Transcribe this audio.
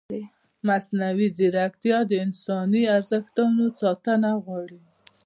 مصنوعي ځیرکتیا د انساني ارزښتونو ساتنه غواړي.